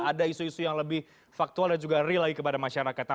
ada isu isu yang lebih faktual dan juga real lagi kepada masyarakat